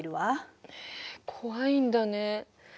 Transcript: えっ怖いんだね。